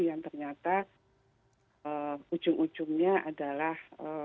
yang ternyata ujung ujungnya adalah